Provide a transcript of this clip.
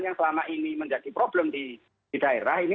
yang selama ini menjadi problem di daerah ini